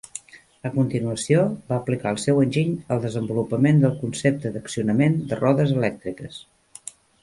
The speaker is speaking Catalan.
A continuació, va aplicar el seu enginy al desenvolupament del concepte d'accionament de rodes elèctriques.